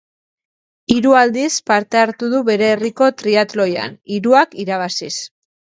Hiru aldiz parte hartu du bere herriko triatloian, hiruak irabaziz.